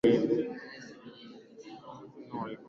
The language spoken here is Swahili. Alisoma katika chuo kikuu cha Hamathmiss Hospital London Uingereza